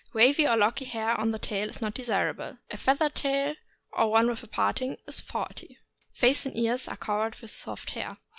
Wavy or locky hair on the tail is not desirable. A feathered tail, or one with a parting, is faulty. Face and ears covered with soft hair.